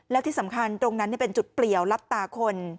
แล้วที่สำคัญตรงนั้นเป็นจุดเปลี่ยวลับตาคน